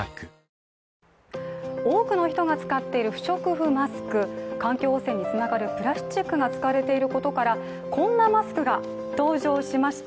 多くの人が使っている不織布マスク、環境汚染につながるプラスチックが使われていることからこんなマスクが登場しました。